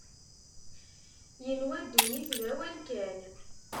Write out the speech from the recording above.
Inwa ddunit d awal kan.